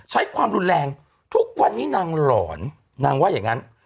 ใช้ความรุนแรงทุกวันนี้นางหลอนนางว่าอย่างนั้น